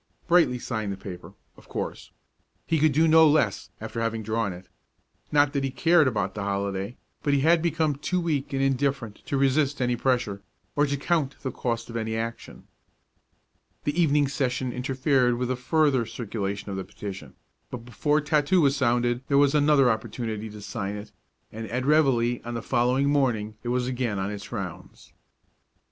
Brightly signed the paper, of course. He could do no less after having drawn it. Not that he cared about the holiday; but he had become too weak and indifferent to resist any pressure, or to count the cost of any action. The evening session interfered with a further circulation of the petition; but before tattoo was sounded there was another opportunity to sign it, and at reveille on the following morning it was again on its rounds.